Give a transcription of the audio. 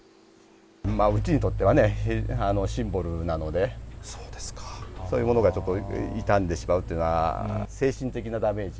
うちにとってはね、シンボルなので、そういうものがちょっと傷んでしまうっていうのは、精神的なダメージ。